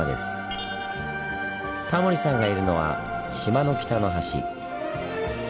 タモリさんがいるのは島の北の端。